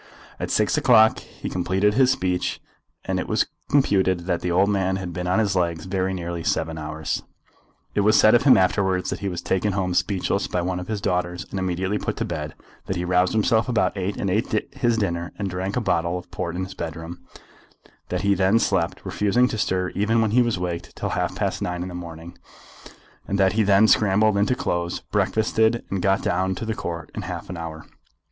At six o'clock he completed his speech, and it was computed that the old man had been on his legs very nearly seven hours. It was said of him afterwards that he was taken home speechless by one of his daughters and immediately put to bed, that he roused himself about eight and ate his dinner and drank a bottle of port in his bedroom, that he then slept, refusing to stir even when he was waked, till half past nine in the morning, and that then he scrambled into his clothes, breakfasted, and got down to the Court in half an hour.